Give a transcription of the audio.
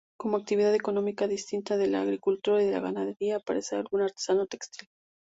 Como actividad económica distinta de la agricultura y la ganadería aparece algún artesano textil.